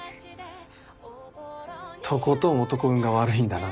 とことん男運が悪いんだな。